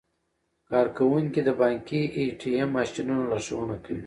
کارکوونکي د بانکي ای ټي ایم ماشینونو لارښوونه کوي.